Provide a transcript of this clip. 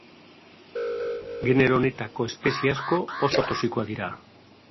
Genero honetako espezie asko oso toxikoak dira.